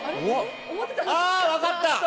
あぁ分かった。